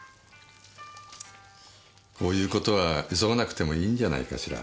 こういう事は急がなくてもいいんじゃないかしら。